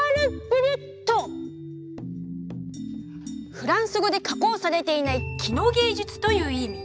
フランス語で加工されていない「生の芸術」という意味。